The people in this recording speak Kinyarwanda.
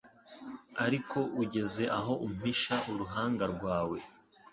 Ariko ugeze aho umpisha uruhanga rwawe